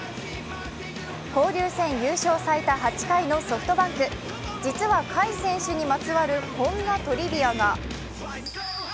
交流戦優勝最多８回のソフトバンク実は甲斐選手にまつわるこんなトリビアが。